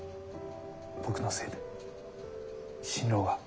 僕のせいで心労が。